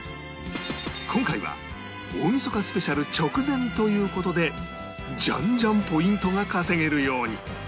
今回は大晦日スペシャル直前という事でジャンジャンポイントが稼げるように